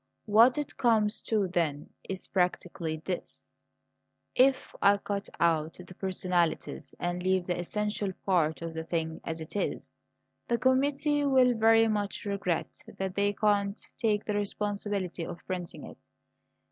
What it comes to, then, is practically this: if I cut out the personalities and leave the essential part of the thing as it is, the committee will very much regret that they can't take the responsibility of printing it.